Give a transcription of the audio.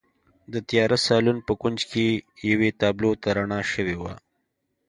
د تیاره سالون په کونج کې یوې تابلو ته رڼا شوې وه